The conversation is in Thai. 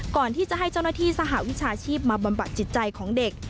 ก่อนที่จะให้เจ้าหน้าที่สหวิชาชีพมาบำบัดจิตใจของเด็ก